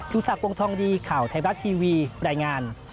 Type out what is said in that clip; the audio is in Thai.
ทุกษัตริย์วงธองดีข่าวไทยบัตรทีวีประดายงาน